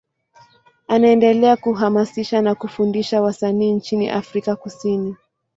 Anaendelea kuhamasisha na kufundisha wasanii nchini Afrika Kusini.